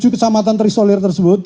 tujuh kecamatan terisolir tersebut